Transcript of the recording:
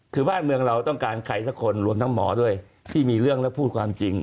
คือบ้านเมืองเราต้องการใครสักคนรวมทั้งหมอด้วยที่มีเรื่องและพูดความจริง